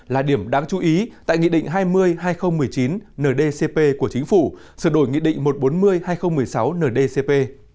là điểm đáng chú ý tại nghị định hai mươi hai nghìn một mươi chín ndcp của chính phủ sửa đổi nghị định một trăm bốn mươi hai nghìn một mươi sáu ndcp